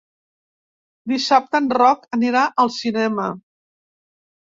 Dissabte en Roc anirà al cinema.